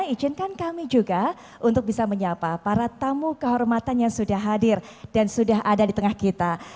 izinkan kami juga untuk bisa menyapa para tamu kehormatan yang sudah hadir dan sudah ada di tengah kita